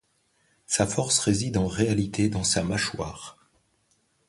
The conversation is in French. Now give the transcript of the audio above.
Sa force réside en réalité dans sa mâchoire.